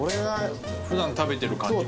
普段食べてる感じかな。